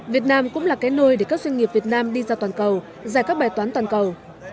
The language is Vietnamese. việt nam cũng là cái nôi để các doanh nghiệp việt nam đi ra toàn cầu giải các bài toán toàn cầu